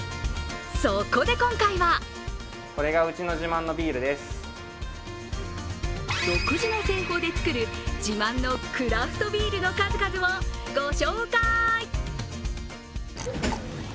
そこで今回は独自の製法で作る自慢のクラフトビールの数々をご紹介！